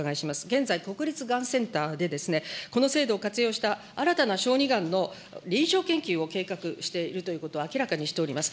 現在、国立がんセンターで、この制度を活用した新たな小児がんの臨床研究を計画しているということを明らかにしております。